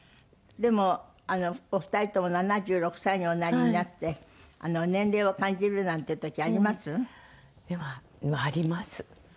でもお二人とも７６歳におなりになって年齢を感じるなんていう時あります？あります。